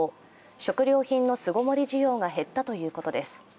食料品の巣ごもり需要が減ったということです。